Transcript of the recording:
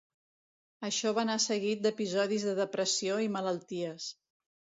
Això va anar seguit d'episodis de depressió i malalties.